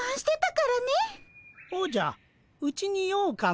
おじゃうちに用かの？